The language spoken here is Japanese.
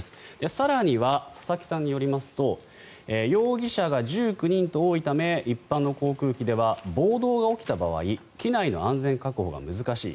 更には佐々木さんによりますと容疑者が１９人と多いため一般の航空機では暴動が起きた場合機内の安全確保が難しい。